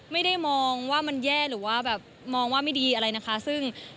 ไม่ได้มองว่ามันแย่หรือว่าแบบมองว่าไม่ดีอะไรนะคะซึ่ง